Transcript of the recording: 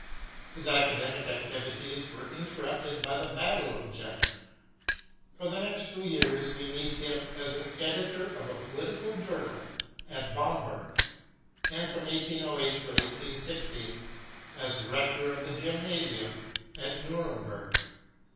His academic activi ties Avere interrupted by the battle of Jena. For the next two years we meet him as an editor of a political journal at Bamberg, and from 1808 to 1816 as rector of the Gymna sium at Nuremberg.